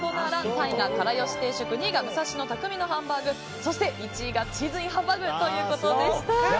３位がから好し定食２位が武蔵野・匠のハンバーグそして、１位がチーズＩＮハンバーグということでした。